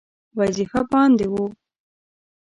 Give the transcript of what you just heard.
وظیفه باندې وو.